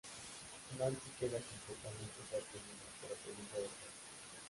Nancy queda completamente sorprendida, pero feliz de volver a verlo.